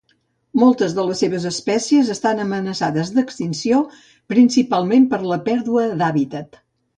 Moltes de les seves espècies estan amenaçades d'extinció principalment per la pèrdua d'hàbitat.